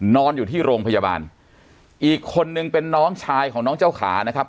นอนอยู่ที่โรงพยาบาลอีกคนนึงเป็นน้องชายของน้องเจ้าขานะครับ